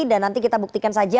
dan nanti kita buktikan saja